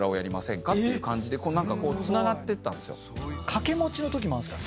掛け持ちのときもあるんですか？